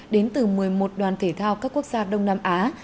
đến từ một mươi một đoàn thể thao các quốc gia đông nam á